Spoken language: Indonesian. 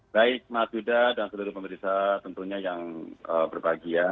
baik maaf sudah dan seluruh pemerintah tentunya yang berbahagia